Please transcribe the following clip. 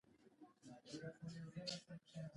هغه د سپین کتاب پر مهال د مینې خبرې وکړې.